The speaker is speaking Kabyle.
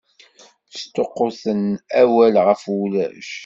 Sṭuqquten awal ɣef ulac!